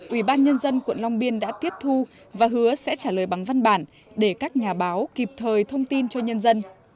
ubnd quận long biên đã tiếp thu và hứa sẽ trả lời bằng văn bản để các nhà báo kịp thời thông tin cho nhân dân